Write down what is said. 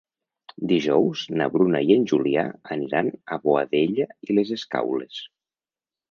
Dijous na Bruna i en Julià aniran a Boadella i les Escaules.